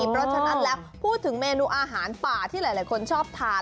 เพราะฉะนั้นแล้วพูดถึงเมนูอาหารป่าที่หลายคนชอบทาน